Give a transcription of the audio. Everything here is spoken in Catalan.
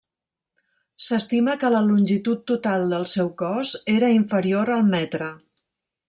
S'estima que la longitud total del seu cos era inferior al metre.